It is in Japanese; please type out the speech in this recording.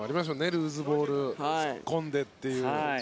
ルーズボールに突っ込んでという。